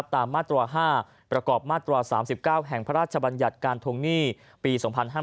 ตามมาตรา๕ประกอบมาตรา๓๙แห่งพระราชบัญญัติการทวงหนี้ปี๒๕๕๙